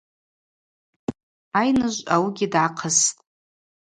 Айныжв ауыгьи дгӏахъыстӏ.